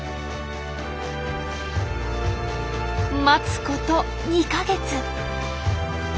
待つこと２か月。